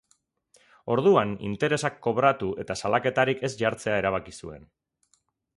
Orduan, interesak kobratu eta salaketarik ez jartzea erabaki zuen.